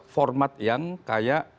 format yang kayak